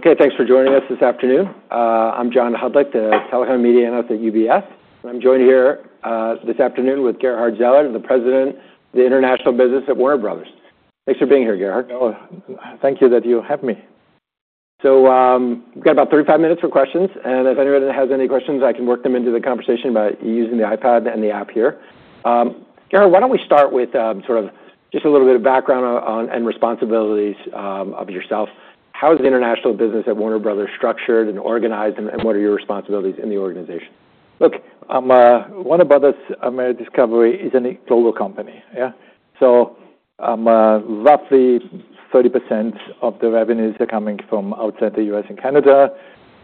Okay, thanks for joining us this afternoon. I'm John Hodulik, the telecom media analyst at UBS. And I'm joined here, this afternoon with Gerhard Zeiler, President of International at Warner Bros. Discovery. Thanks for being here, Gerhard. Oh, thank you for having me. We've got about 35 minutes for questions. If anyone has any questions, I can work them into the conversation by using the iPad and the app here. Gerhard, why don't we start with sort of just a little bit of background on your role and responsibilities? How is the international business at Warner Bros. structured and organized, and what are your responsibilities in the organization? Look, Warner Bros. Discovery is a global company, yeah? So, roughly 30% of the revenues are coming from outside the U.S. and Canada.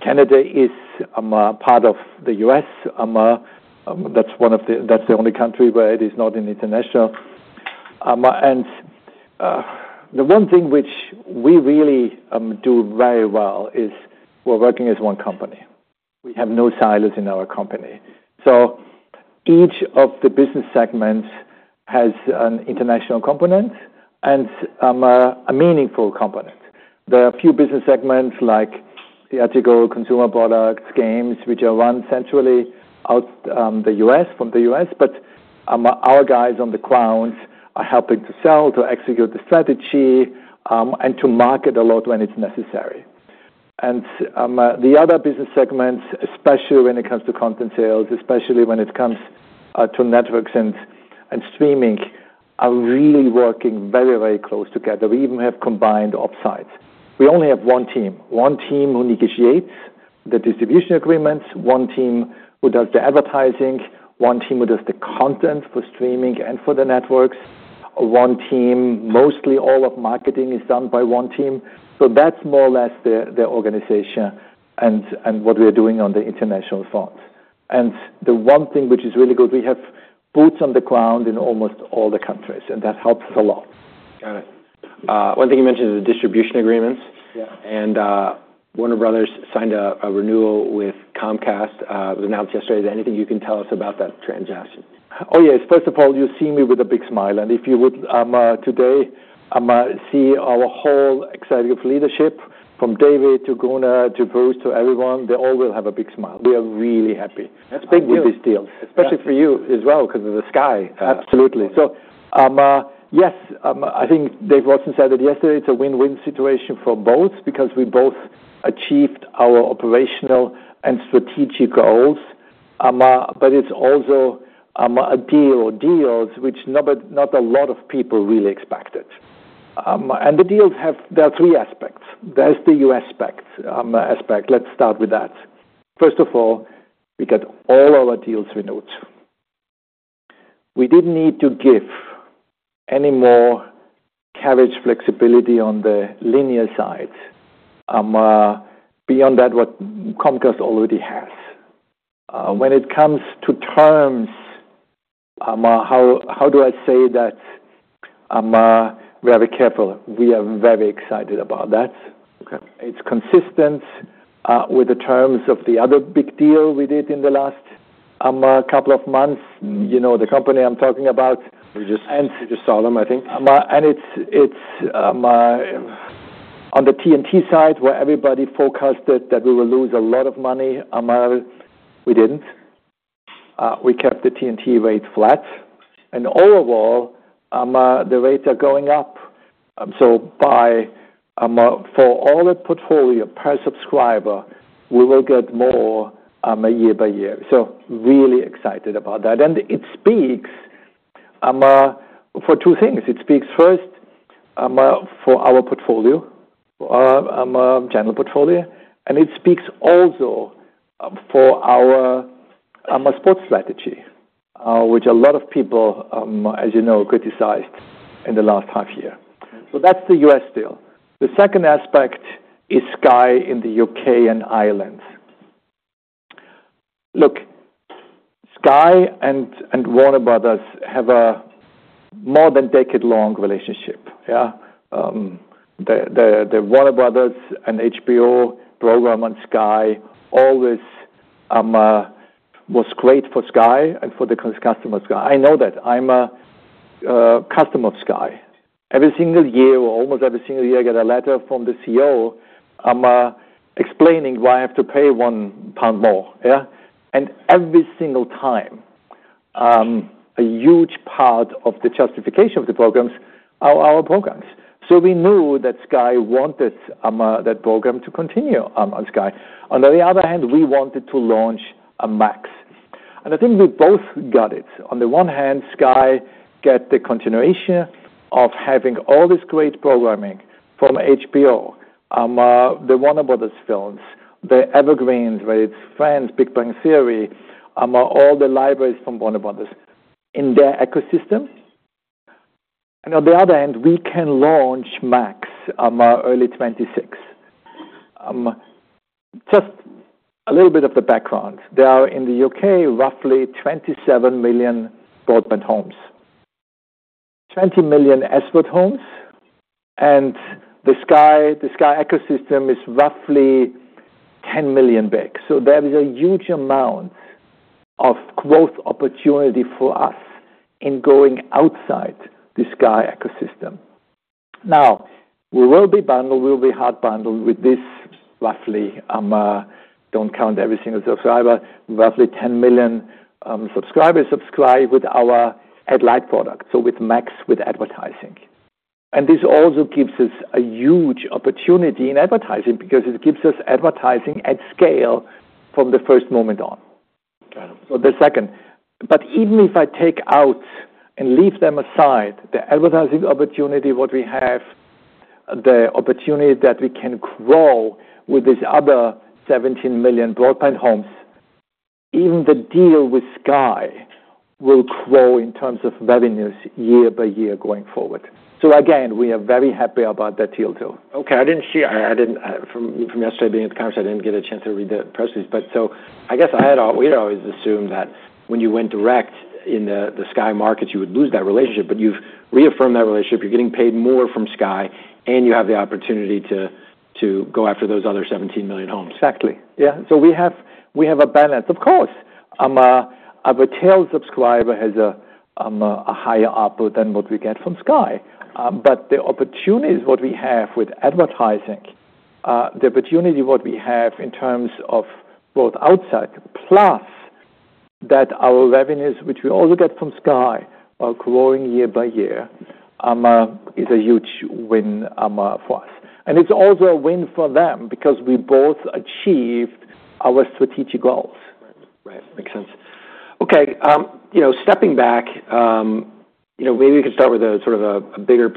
Canada is part of the U.S. That's one of the—that's the only country where it is not an international, and the one thing which we really do very well is we're working as one company. We have no silos in our company. So each of the business segments has an international component and a meaningful component. There are a few business segments like the retail, consumer products, games, which are run centrally out of the U.S., from the U.S. But our guys on the ground are helping to sell, to execute the strategy, and to market a lot when it's necessary. The other business segments, especially when it comes to content sales, especially when it comes to networks and streaming, are really working very, very close together. We even have combined ops sites. We only have one team, one team who negotiates the distribution agreements, one team who does the advertising, one team who does the content for streaming and for the networks, one team. Mostly all of marketing is done by one team. That's more or less the organization and what we are doing on the international front. The one thing which is really good, we have boots on the ground in almost all the countries, and that helps us a lot. Got it. One thing you mentioned is the distribution agreements. Yeah. Warner Bros. signed a renewal with Comcast, which was announced yesterday. Is there anything you can tell us about that transaction? Oh, yes. First of all, you see me with a big smile. And if you would, today, see our whole executive leadership, from David to Gunnar to Bruce to everyone, they all will have a big smile. We are really happy. That's a big deal. With these deals. Especially for you as well, 'cause of the Sky. Absolutely. So, yes, I think Dave Watson said it yesterday. It's a win-win situation for both because we both achieved our operational and strategic goals, but it's also a deal or deals which nobody, not a lot of people really expected, and the deals have. There are three aspects. There's the U.S. aspect. Let's start with that. First of all, we got all our deals renewed. We didn't need to give any more carriage flexibility on the linear sides, beyond that what Comcast already has. When it comes to terms, how do I say that? Very carefully. We are very excited about that. Okay. It's consistent with the terms of the other big deal we did in the last couple of months. You know, the company I'm talking about. We just saw them, I think. It's on the TNT side where everybody forecasted that we would lose a lot of money. We didn't. We kept the TNT rate flat. And overall, the rates are going up. So, for all the portfolio per subscriber, we will get more year by year. So really excited about that. And it speaks for two things. It speaks first for our portfolio, our general portfolio. And it speaks also for our sports strategy, which a lot of people, as you know, criticized in the last half year. So that's the U.S. deal. The second aspect is Sky in the UK and Ireland. Look, Sky and Warner Bros. have a more than decade-long relationship, yeah? The Warner Bros. and HBO program on Sky always was great for Sky and for the customers of Sky. I know that. I'm a customer of Sky. Every single year, or almost every single year, I get a letter from the CEO, explaining why I have to pay 1 pound more, yeah. Every single time, a huge part of the justification of the programs are our programs. We knew that Sky wanted that program to continue on Sky. On the other hand, we wanted to launch a Max. I think we both got it. On the one hand, Sky got the continuation of having all this great programming from HBO, the Warner Bros. films, the evergreens, where it's Friends, Big Bang Theory, all the libraries from Warner Bros. in their ecosystem. On the other hand, we can launch Max early 2026. Just a little bit of the background. There are in the U.K. roughly 27 million broadband homes, 20 million SVOD homes. The Sky ecosystem is roughly 10 million big. There is a huge amount of growth opportunity for us in going outside the Sky ecosystem. Now, we will be bundled, we will be hard bundled with this roughly, don't count every single subscriber, roughly 10 million subscribers subscribe with our ad-light product, so with Max with advertising. This also gives us a huge opportunity in advertising because it gives us advertising at scale from the first moment on. Got it. So the second. But even if I take out and leave them aside, the advertising opportunity what we have, the opportunity that we can grow with these other 17 million broadband homes, even the deal with Sky will grow in terms of revenues year by year going forward. So again, we are very happy about that deal too. Okay. From yesterday being at the conference, I didn't get a chance to read the press release. But so I guess we had always assumed that when you went direct in the Sky markets, you would lose that relationship. But you've reaffirmed that relationship. You're getting paid more from Sky, and you have the opportunity to go after those other 17 million homes. Exactly. Yeah. So we have, we have a balance. Of course, our retail subscriber has a, a higher output than what we get from Sky. But the opportunities what we have with advertising, the opportunity what we have in terms of both outside, plus that our revenues, which we also get from Sky, are growing year by year, is a huge win for us, and it's also a win for them because we both achieved our strategic goals. Right. Right. Makes sense. Okay. You know, stepping back, you know, maybe we can start with a sort of a bigger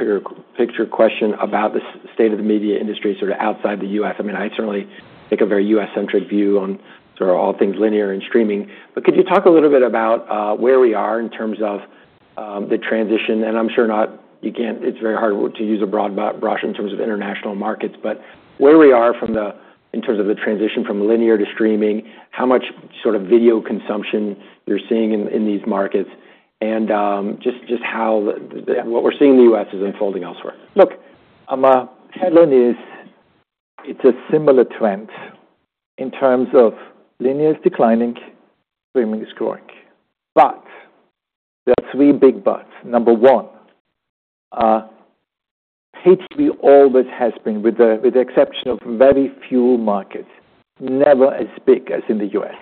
picture question about the state of the media industry sort of outside the U.S. I mean, I certainly take a very U.S.-centric view on sort of all things linear and streaming. But could you talk a little bit about where we are in terms of the transition? And I'm sure you can't. It's very hard to use a broad brush in terms of international markets. But where we are in terms of the transition from linear to streaming, how much sort of video consumption you're seeing in these markets, and just how what we're seeing in the U.S. is unfolding elsewhere? Look, headline is it's a similar trend in terms of linear is declining, streaming is growing. But there are three big buts. Number one, HBO always has been, with the exception of very few markets, never as big as in the U.S.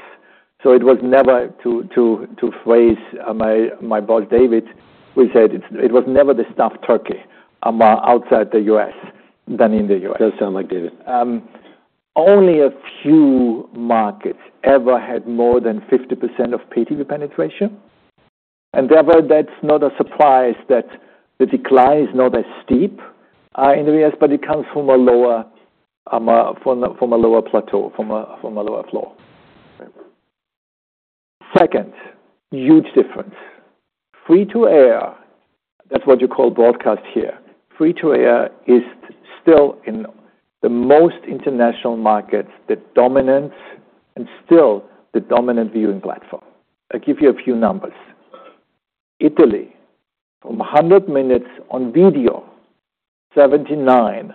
So, to phrase my boss, David, who said it was never the mothership outside the U.S. as in the U.S. Does sound like David. Only a few markets ever had more than 50% of PTV penetration. Therefore, that's not a surprise that the decline is not as steep in the U.S., but it comes from a lower plateau, from a lower floor. Right. Second, huge difference. Free-to-air, that's what you call broadcast here. Free-to-air is still in the most international markets, the dominant and still the dominant viewing platform. I'll give you a few numbers. Italy, from 100 minutes on video, 79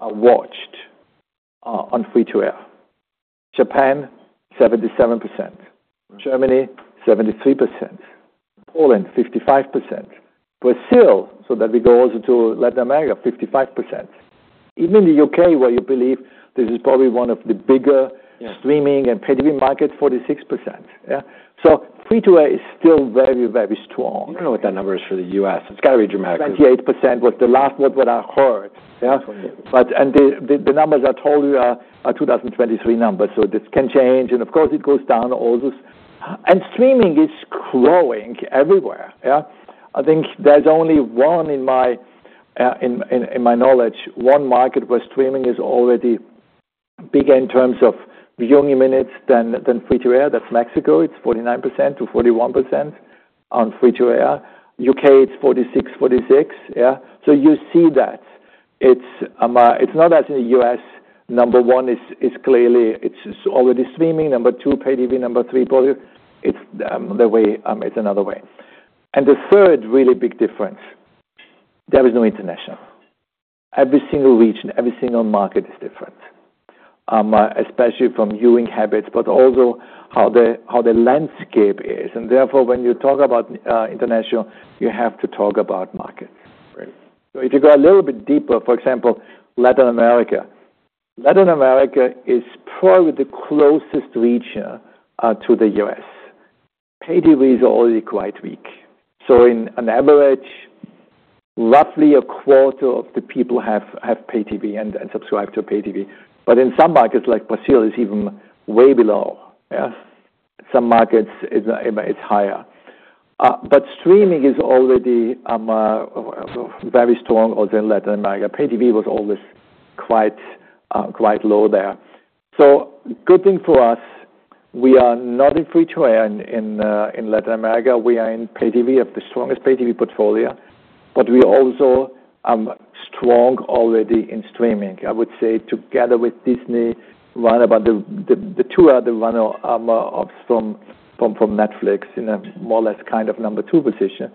are watched on free-to-air. Japan, 77%. Germany, 73%. Poland, 55%. Brazil, so that we go also to Latin America, 55%. Even the U.K., where you believe this is probably one of the bigger. Yeah. Streaming and PTV markets, 46%, yeah? So free-to-air is still very, very strong. I don't know what that number is for the U.S. It's gotta be dramatic. 28% was the last what I heard, yeah? But, and the numbers I told you are 2023 numbers, so this can change. And of course, it goes down also. And streaming is growing everywhere, yeah? I think there's only one in my knowledge, one market where streaming is already bigger in terms of viewing minutes than free to air. That's Mexico. It's 49% to 41% on free to air. U.K., it's 46%, yeah? So you see that. It's not as in the U.S. Number one is clearly it's already streaming. Number two, PTV. Number three, broadcast. It's the way, it's another way. And the third really big difference, there is no international. Every single region, every single market is different, especially from viewing habits, but also how the landscape is. And therefore, when you talk about international, you have to talk about markets. Right. So if you go a little bit deeper, for example, Latin America is probably the closest region to the U.S. PTV is already quite weak. So in an average, roughly a quarter of the people have PTV and subscribe to PTV. But in some markets like Brazil, it's even way below, yeah? Some markets, it's higher. But streaming is already very strong also in Latin America. PTV was always quite low there. So good thing for us, we are not in free-to-air in Latin America. We are in PTV, have the strongest PTV portfolio. But we also strong already in streaming, I would say, together with Disney, Warner Bros., [the two other Warner from Netflix] in a more or less kind of number two position.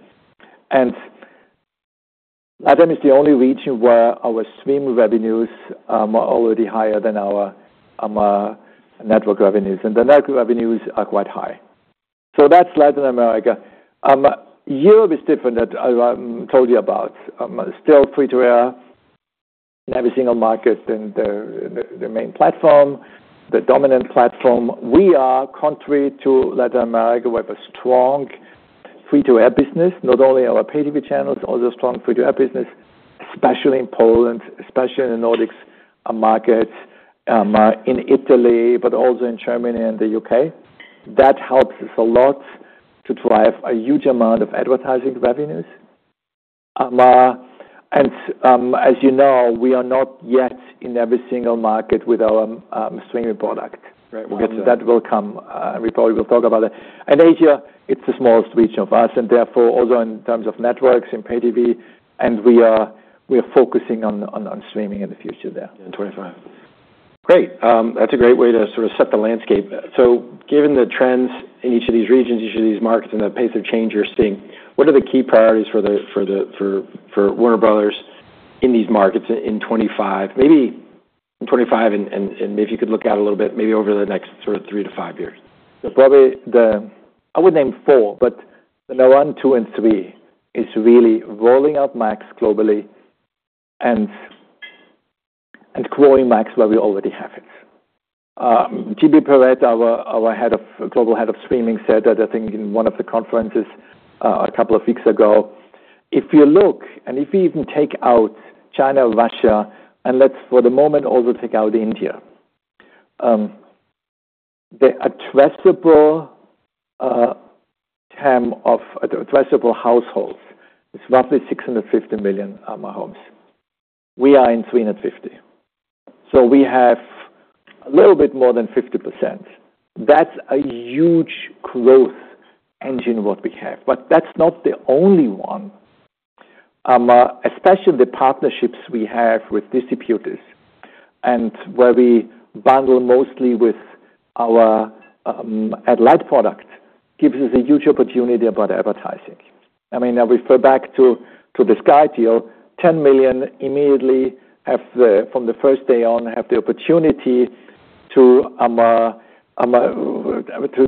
Latin is the only region where our streaming revenues are already higher than our network revenues. The network revenues are quite high. That's Latin America. Europe is different than I told you about. Still free-to-air in every single market and the main platform, the dominant platform. We are contrary to Latin America. We have a strong free-to-air business, not only our PTV channels, also strong free-to-air business, especially in Poland, especially in the Nordics markets, in Italy, but also in Germany and the U.K.. That helps us a lot to drive a huge amount of advertising revenues. As you know, we are not yet in every single market with our streaming product. Right. We'll get to that. So that will come, and we probably will talk about it. Asia is the smallest region for us, and therefore also in terms of networks in PTV. We are focusing on streaming in the future there. In 2025. Great. That's a great way to sort of set the landscape. So given the trends in each of these regions, each of these markets, and the pace of change you're seeing, what are the key priorities for the Warner Bros. in these markets in 2025? Maybe in 2025 and maybe if you could look out a little bit, maybe over the next sort of three to five years. So probably I would name four, but the number one, two, and three is really rolling out Max globally and growing Max where we already have it. JB Perrette, our global head of streaming said that, I think, in one of the conferences, a couple of weeks ago, if you look, and if you even take out China, Russia, and let's for the moment also take out India, the addressable term of addressable households is roughly 650 million homes. We are in 350. So we have a little bit more than 50%. That's a huge growth engine what we have. But that's not the only one. Especially the partnerships we have with distributors and where we bundle mostly with our headlight product gives us a huge opportunity about advertising. I mean, I refer back to the Sky deal. 10 million immediately, from the first day on, have the opportunity to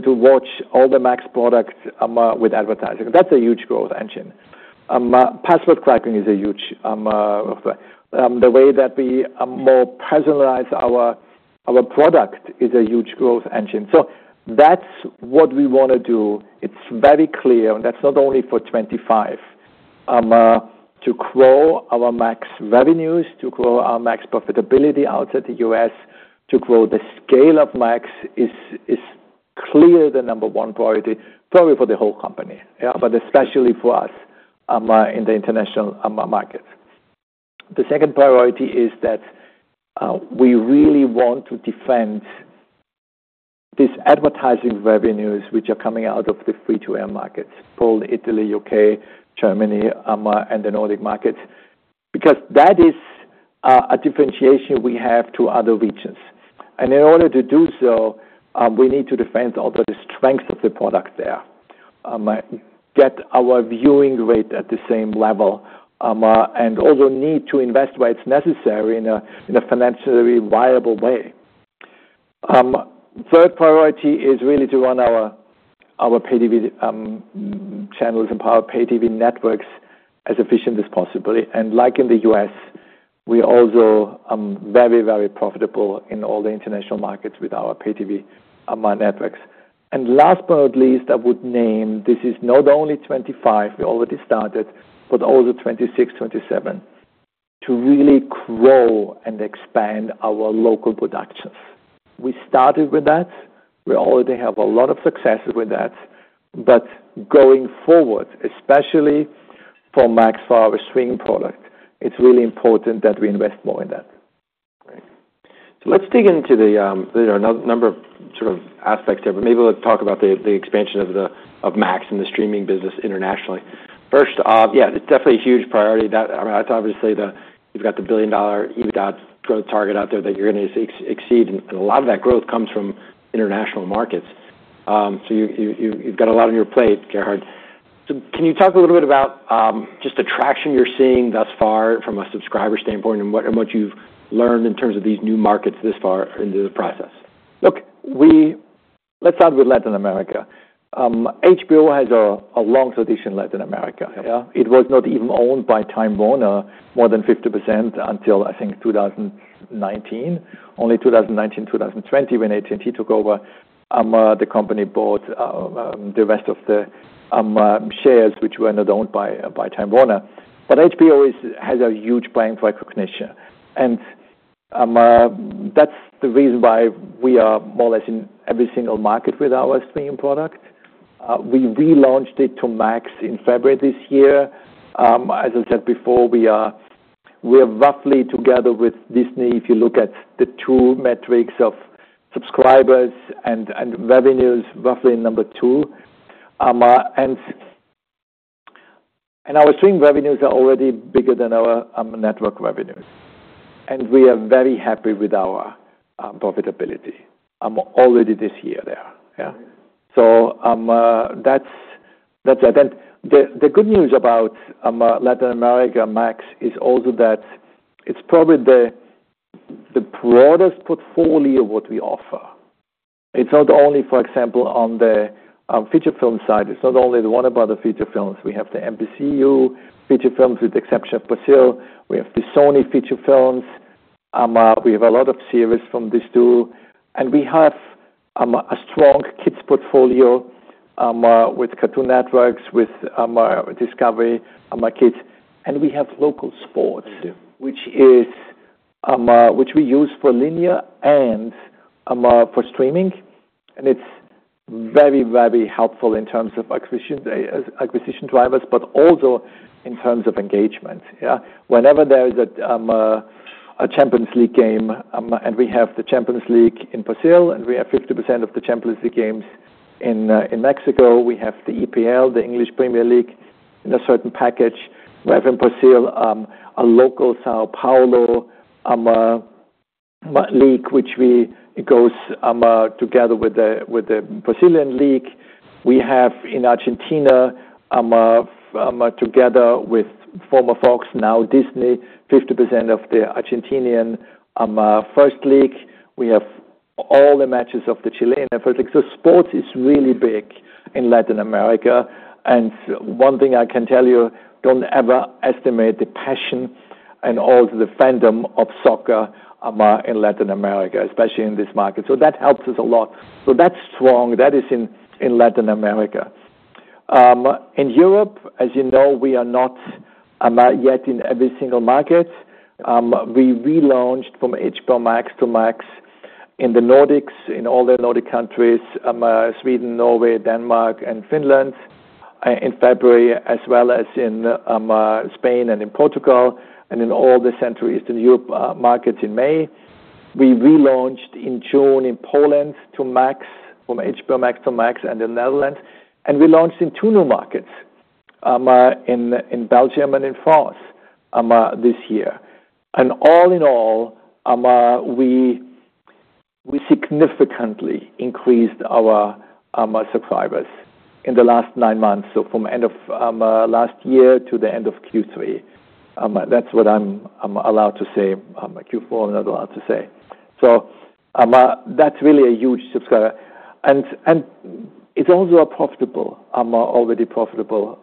watch all the Max products with advertising. That's a huge growth engine. Password sharing is a huge growth engine. The way that we more personalize our product is a huge growth engine. So that's what we want to do. It's very clear, and that's not only for 2025, to grow our Max revenues, to grow our Max profitability outside the U.S., to grow the scale of Max is clearly the number one priority, probably for the whole company, yeah? But especially for us, in the international market. The second priority is that we really want to defend these advertising revenues which are coming out of the free-to-air markets, Poland, Italy, U.K., Germany, and the Nordic markets, because that is a differentiation we have to other regions. And in order to do so, we need to defend also the strength of the product there, get our viewing rate at the same level, and also need to invest where it's necessary in a financially viable way. Third priority is really to run our PTV channels and power PTV networks as efficient as possible. And like in the U.S., we are also very, very profitable in all the international markets with our PTV networks. And last but not least, I would name this is not only 2025, we already started, but also 2026, 2027, to really grow and expand our local productions. We started with that. We already have a lot of success with that. But going forward, especially for Max for our streaming product, it's really important that we invest more in that. Right. So let's dig into the. There are another number of sort of aspects here, but maybe let's talk about the expansion of Max and the streaming business internationally. First, yeah, it's definitely a huge priority. That, I mean, that's obviously the. You've got the billion-dollar EBITDA growth target out there that you're gonna exceed, and a lot of that growth comes from international markets. So you've got a lot on your plate, Gerhard. So can you talk a little bit about just the traction you're seeing thus far from a subscriber standpoint and what, and what you've learned in terms of these new markets this far into the process? Look, well, let's start with Latin America. HBO has a long tradition in Latin America, yeah? It was not even owned by Time Warner more than 50% until, I think, 2019. Only 2019, 2020, when AT&T took over, the company bought the rest of the shares which were not owned by Time Warner. But HBO has a huge plan for acquisition. And that's the reason why we are more or less in every single market with our streaming product. We relaunched it as Max in February this year. As I said before, we are roughly together with Disney, if you look at the two metrics of subscribers and revenues, roughly number two. And our streaming revenues are already bigger than our network revenues. And we are very happy with our profitability, already this year there, yeah? So that's it. And the good news about Latin America Max is also that it's probably the broadest portfolio what we offer. It's not only, for example, on the feature film side. It's not only the Warner Bros. feature films. We have the NBCU feature films with the exception of Brazil. We have the Sony feature films. We have a lot of series from these two. And we have a strong kids portfolio, with Cartoon Network, with Discovery Kids. And we have local sports, which we use for linear and for streaming. And it's very, very helpful in terms of acquisition drivers, but also in terms of engagement, yeah? Whenever there is a Champions League game, and we have the Champions League in Brazil, and we have 50% of the Champions League games in Mexico. We have the EPL, the English Premier League in a certain package. We have in Brazil a local São Paulo league, which goes together with the Brazilian league. We have in Argentina, together with former Fox, now Disney, 50% of the Argentinian first league. We have all the matches of the Chilean first league. So sports is really big in Latin America. And one thing I can tell you, don't ever underestimate the passion and also the fandom of soccer in Latin America, especially in this market. So that helps us a lot. So that's strong. That is in Latin America. In Europe, as you know, we are not yet in every single market. We relaunched from HBO Max to Max in the Nordics, in all the Nordic countries, Sweden, Norway, Denmark, and Finland, in February, as well as in Spain and in Portugal, and in all the Central Eastern Europe markets in May. We relaunched in June in Poland to Max from HBO Max to Max and the Netherlands. And we launched in two new markets, in Belgium and in France, this year. And all in all, we significantly increased our subscribers in the last nine months. So from end of last year to the end of Q3. That's what I'm allowed to say, Q4 I'm not allowed to say. So, that's really a huge subscriber. And it's also a profitable, already profitable,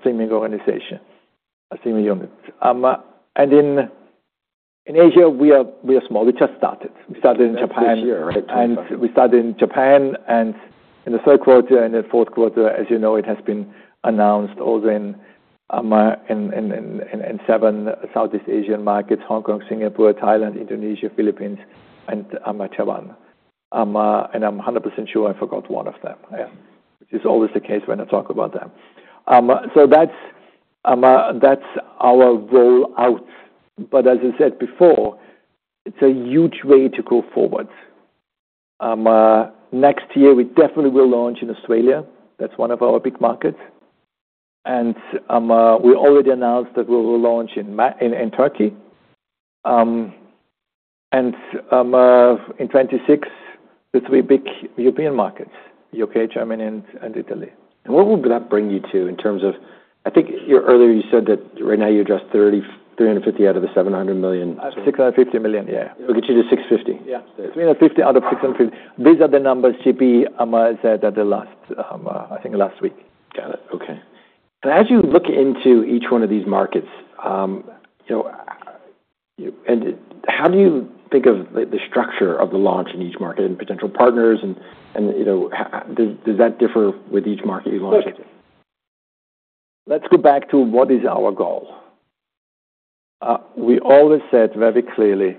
streaming organization, a streaming unit. And in Asia, we are small. We just started. We started in Japan. This year, right? We started in Japan. In Q3 and Q4, as you know, it has been announced all in seven Southeast Asian markets: Hong Kong, Singapore, Thailand, Indonesia, Philippines, and Taiwan. I'm 100% sure I forgot one of them, yeah? Which is always the case when I talk about them. That's our rollout. But as I said before, it's a huge way to go forward. Next year, we definitely will launch in Australia. That's one of our big markets. We already announced that we will launch in Turkey. In 2026, the three big European markets: U.K., Germany, and Italy. What will that bring you to in terms of? I think earlier you said that right now you're just 30-350 out of the 700 million. 650 million, yeah. It'll get you to 650. Yeah. 350 out of 650. These are the numbers JB said at the live, I think last week. Got it. Okay. And as you look into each one of these markets, you know, and how do you think of the structure of the launch in each market and potential partners and, you know, how does that differ with each market you launch into? Let's go back to what is our goal. We always said very clearly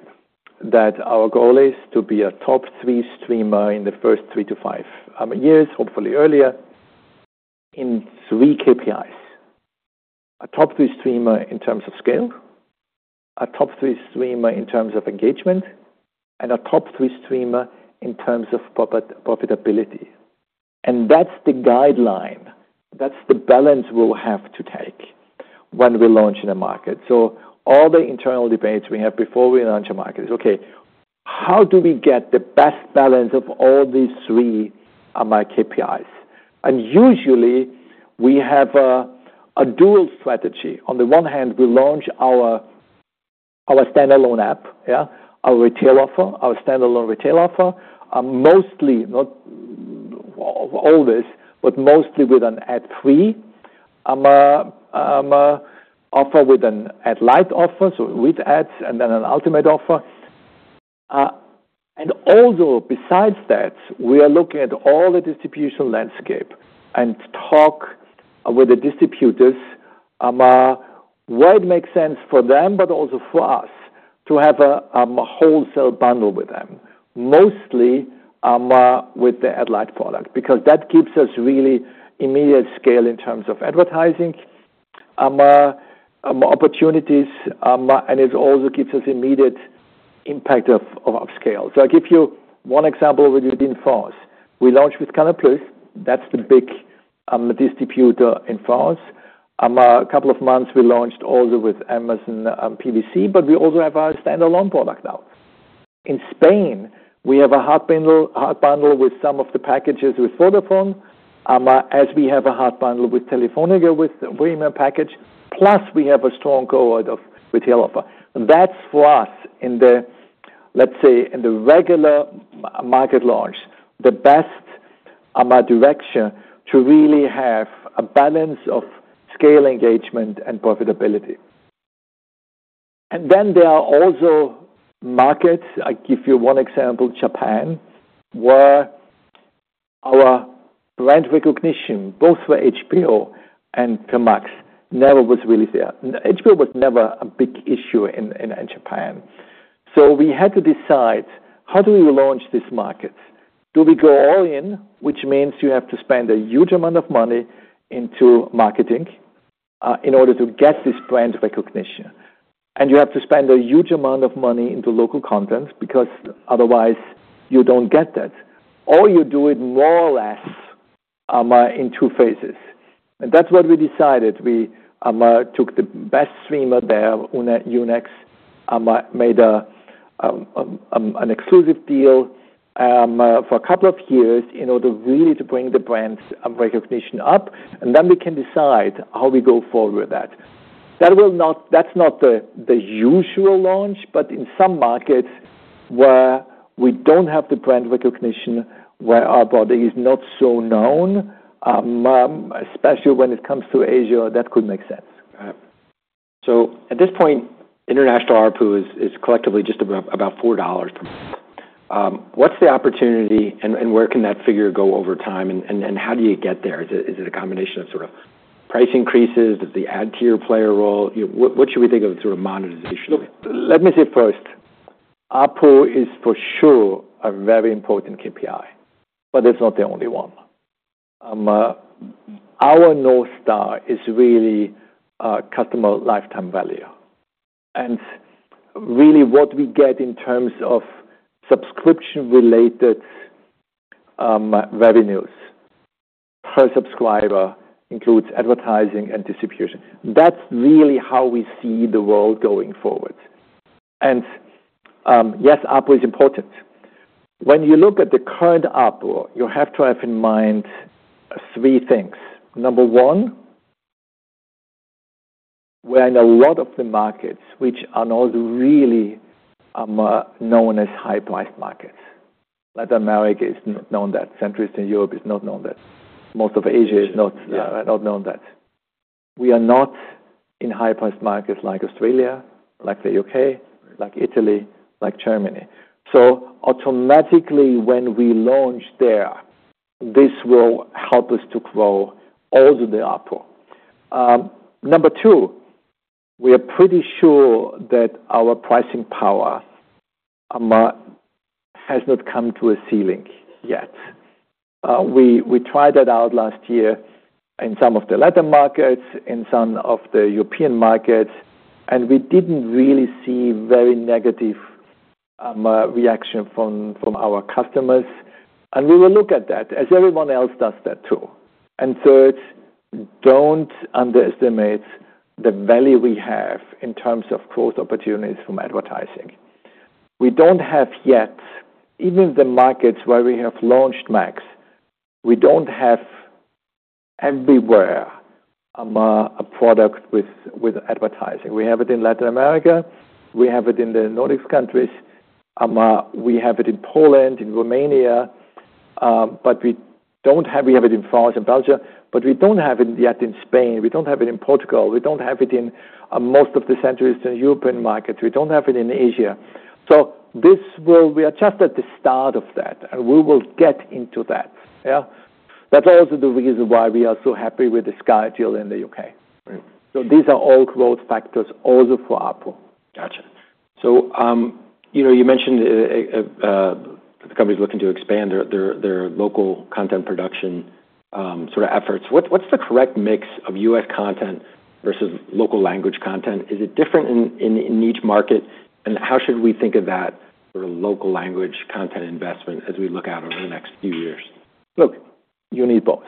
that our goal is to be a top three streamer in the first three to five years, hopefully earlier, in three KPIs: a top three streamer in terms of scale, a top three streamer in terms of engagement, and a top three streamer in terms of profitability. And that's the guideline. That's the balance we'll have to take when we launch in a market. So all the internal debates we have before we launch a market is, okay, how do we get the best balance of all these three KPIs? And usually, we have a dual strategy. On the one hand, we launch our standalone app, yeah? Our retail offer, our standalone retail offer, mostly not always, but mostly with an ad-free offer with an ad-light offer, so with ads, and then an ultimate offer. And also besides that, we are looking at all the distribution landscape and talk with the distributors, why it makes sense for them, but also for us, to have a wholesale bundle with them, mostly, with the ad-light product, because that gives us really immediate scale in terms of advertising opportunities, and it also gives us immediate impact of scale. So I'll give you one example within France. We launched with Canal+. That's the big distributor in France. A couple of months, we launched also with Amazon PVC, but we also have our standalone product now. In Spain, we have a hard bundle with some of the packages with Vodafone, as we have a hard bundle with Telefónica with a premium package, plus we have a strong cohort of retail offer. That's for us in the, let's say, regular market launch, the best direction to really have a balance of scale, engagement, and profitability, and then there are also markets. I'll give you one example, Japan, where our brand recognition, both for HBO and for Max, never was really there. HBO was never a big issue in Japan. So we had to decide how do we launch these markets? Do we go all in, which means you have to spend a huge amount of money into marketing, in order to get this brand recognition? You have to spend a huge amount of money into local content because otherwise you don't get that, or you do it more or less in two phases, and that's what we decided. We took the best streamer there, U-NEXT, made an exclusive deal for a couple of years in order really to bring the brand's recognition up, and then we can decide how we go forward with that. That will not. That's not the usual launch, but in some markets where we don't have the brand recognition, where our product is not so known, especially when it comes to Asia, that could make sense. Got it. So at this point, international RPU is collectively just about $4 per month. What's the opportunity and where can that figure go over time? And how do you get there? Is it a combination of sort of price increases? Does the ad-tier play a role? You know, what should we think of as sort of monetization? Look, let me say first, RPU is for sure a very important KPI, but it's not the only one. Our North Star is really customer lifetime value, and really what we get in terms of subscription-related revenues per subscriber includes advertising and distribution. That's really how we see the world going forward, and yes, RPU is important. When you look at the current RPU, you have to have in mind three things. Number one, we're in a lot of the markets which are not really known as high-priced markets. Latin America is not known that. Central Eastern Europe is not known that. Most of Asia is not known that. We are not in high-priced markets like Australia, like the U.K., like Italy, like Germany. So automatically, when we launch there, this will help us to grow also the RPU. Number two, we are pretty sure that our pricing power has not come to a ceiling yet. We tried it out last year in some of the Latin markets, in some of the European markets, and we didn't really see very negative reaction from our customers. We will look at that as everyone else does that too. Third, don't underestimate the value we have in terms of growth opportunities from advertising. We don't have yet even in the markets where we have launched Max. We don't have everywhere a product with advertising. We have it in Latin America. We have it in the Nordic countries. We have it in Poland, in Romania. We have it in France and Belgium, but we don't have it yet in Spain. We don't have it in Portugal. We don't have it in most of the Central Eastern European markets. We don't have it in Asia. So this will, we are just at the start of that, and we will get into that, yeah? That's also the reason why we are so happy with the Sky deal in the U.K.. Right. These are all growth factors also for RPU. Gotcha, so you know, you mentioned the company's looking to expand their local content production, sort of efforts. What's the correct mix of U.S. content versus local language content? Is it different in each market, and how should we think of that for local language content investment as we look out over the next few years? Look, you need both.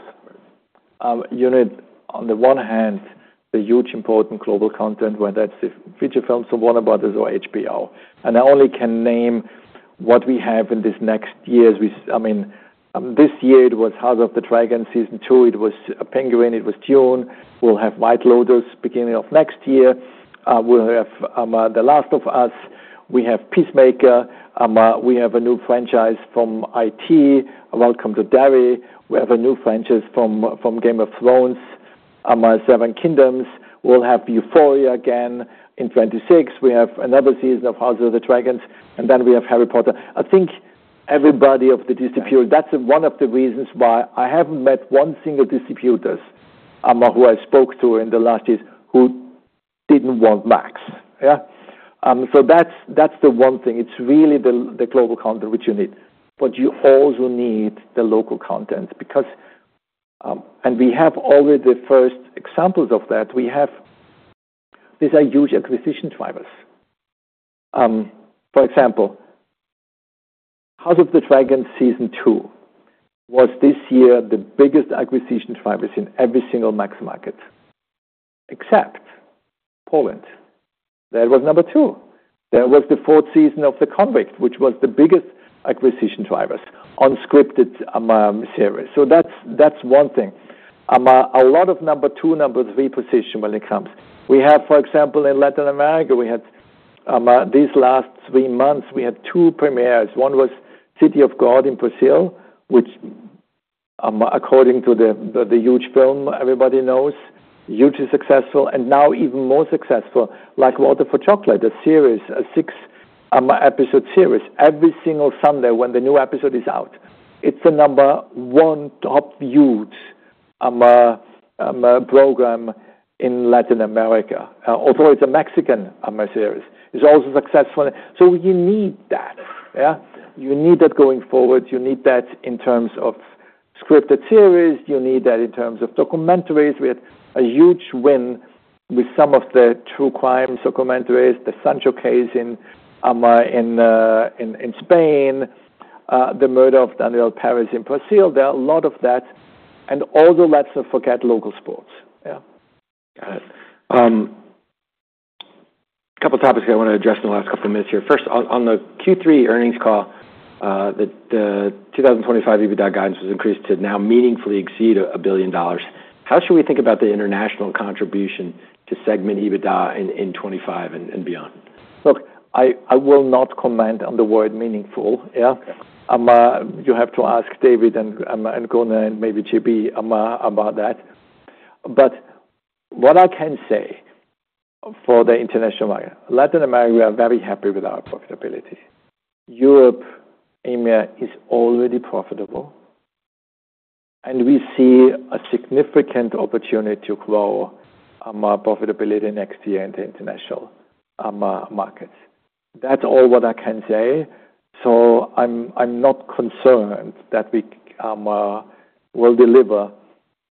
You need, on the one hand, the huge important global content, whether it's the feature films, the Warner Bros., or HBO. And I only can name what we have in this next year as we, I mean, this year it was House of the Dragon season two. It was Penguin. It was Dune. We'll have White Lotus beginning of next year. We'll have The Last of Us. We have Peacemaker. We have a new franchise from IT: Welcome to Derry. We have a new franchise from, from Game of Thrones, Seven Kingdoms. We'll have Euphoria again in 2026. We have another season of House of the Dragon. And then we have Harry Potter. I think everybody of the distributors, that's one of the reasons why I haven't met one single distributor, who I spoke to in the last years who didn't want Max, yeah? So that's, that's the one thing. It's really the, the global content which you need. But you also need the local content because, and we have already the first examples of that. We have, these are huge acquisition drivers. For example, House of the Dragon season two was this year the biggest acquisition drivers in every single Max market, except Poland. There was number two. There was the fourth season of The Convict, which was the biggest acquisition drivers on scripted series. So that's, that's one thing. A lot of number two, number three position when it comes. We have, for example, in Latin America, we had these last three months, we had two premieres. One was City of God in Brazil, which, according to the huge film everybody knows, hugely successful, and now even more successful, Like Water for Chocolate, a series, a six-episode series. Every single Sunday when the new episode is out, it's the number one top viewed program in Latin America, although it's a Mexican series. It's also successful. So you need that, yeah? You need that going forward. You need that in terms of scripted series. You need that in terms of documentaries. We had a huge win with some of the true crime documentaries, the Sancho Case in Spain, the murder of Daniella Perez in Brazil. There are a lot of that. And also let's not forget local sports, yeah? Got it. A couple of topics I want to address in the last couple of minutes here. First, on the Q3 earnings call, the 2025 EBITDA guidance was increased to now meaningfully exceed $1 billion. How should we think about the international contribution to segment EBITDA in 2025 and beyond? Look, I will not comment on the word meaningful, yeah? You have to ask David and Gunnar and maybe JB about that. But what I can say for the international market, Latin America, we are very happy with our profitability. Europe is already profitable, and we see a significant opportunity to grow profitability next year in the international markets. That's all what I can say. So I'm not concerned that we will deliver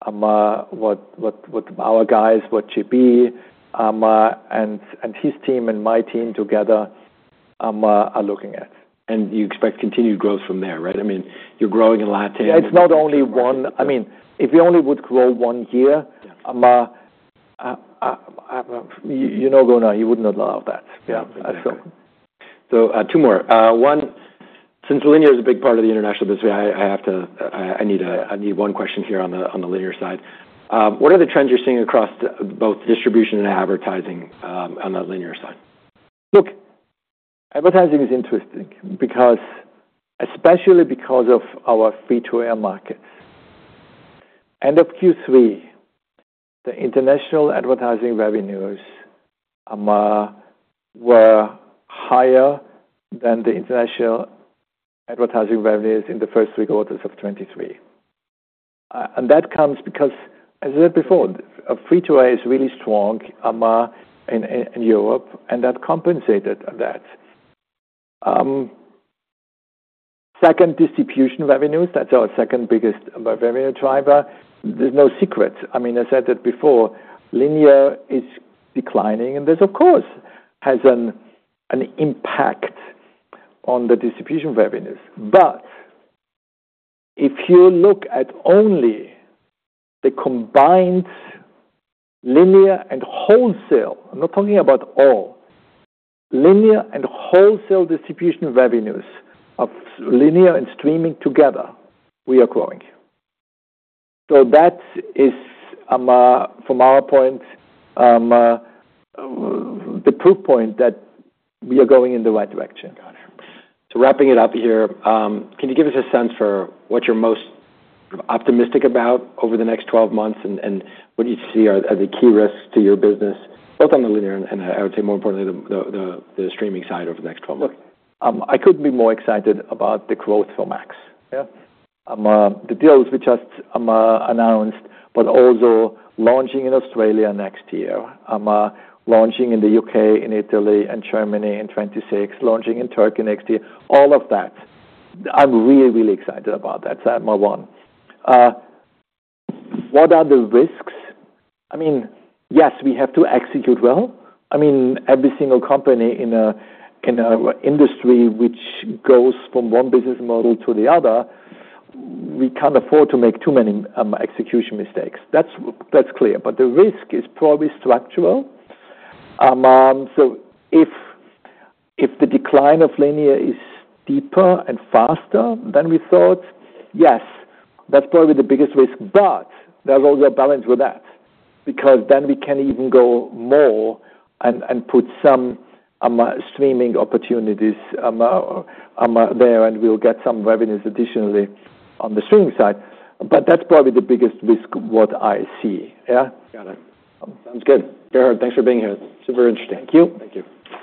what our guys, what JB and his team and my team together are looking at. You expect continued growth from there, right? I mean, you're growing in Latin and. Yeah, it's not only one. I mean, if we only would grow one year, you know, Gunnar, he would not allow that, yeah? Absolutely. So, two more. One, since Linear is a big part of the international business, I have to. I need one question here on the Linear side. What are the trends you're seeing across both distribution and advertising, on the Linear side? Look, advertising is interesting because, especially because of our free-to-air markets. End of Q3, the international advertising revenues were higher than the international advertising revenues in the first three quarters of 2023. And that comes because, as I said before, free-to-air is really strong in Europe, and that compensated that. Second, distribution revenues, that's our second biggest revenue driver. There's no secret. I mean, I said that before. Linear is declining, and this, of course, has an impact on the distribution revenues. But if you look at only the combined Linear and wholesale, Linear and wholesale distribution revenues of Linear and streaming together, we are growing. So that is, from our point, the proof point that we are going in the right direction. Got it. So wrapping it up here, can you give us a sense for what you're most optimistic about over the next 12 months and what you see are the key risks to your business, both on the Linear and I would say more importantly, the streaming side over the next 12 months? Look, I couldn't be more excited about the growth for Max, yeah? The deals we just announced, but also launching in Australia next year, launching in the U.K., in Italy, and Germany in 2026, launching in Turkey next year, all of that. I'm really, really excited about that. So that's number one. What are the risks? I mean, yes, we have to execute well. I mean, every single company in an industry which goes from one business model to the other, we can't afford to make too many execution mistakes. That's clear. But the risk is probably structural. So if the decline of Linear is deeper and faster than we thought, yes, that's probably the biggest risk. But there's also a balance with that because then we can even go more and put some streaming opportunities there, and we'll get some revenues additionally on the streaming side. But that's probably the biggest risk what I see, yeah? Got it. Sounds good. Gerhard, thanks for being here. Super interesting. Thank you. Thank you.